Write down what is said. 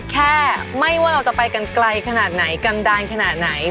แค่ไม่ว่าเราจะไปกันไกลขนาดไหนกันดาลขนาดไหน